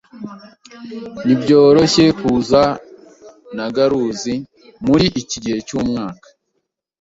Ntibyoroshye kuza na garuzi muri iki gihe cyumwaka.